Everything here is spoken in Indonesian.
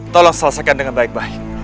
tolong selesaikan dengan baik baik